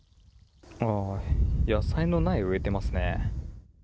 野菜の苗を植えていますね。